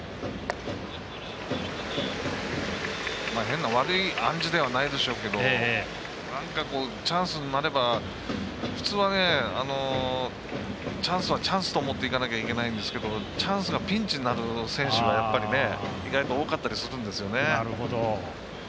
変な悪い暗示ではないでしょうけどなんかチャンスになればふつうはチャンスはチャンスと思っていかなきゃいけないんですけど、チャンスがピンチになる選手が意外と多かったりするんですね。